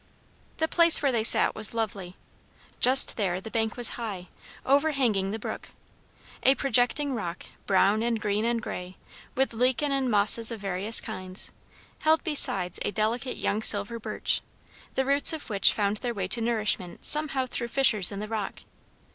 The place where they sat was lovely. Just there the bank was high, overhanging the brook. A projecting rock, brown and green and grey, with lichen and mosses of various kinds, held besides a delicate young silver birch, the roots of which found their way to nourishment somehow through fissures in the rock.